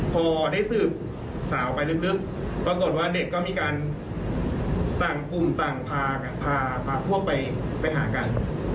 พอได้สืบสาวไปลึกปรากฏว่าเด็กก็มีการต่างกลุ่มต่างพากันพาพวกไปหากัน